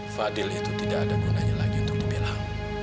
fadil itu tidak ada gunanya lagi untuk pemilang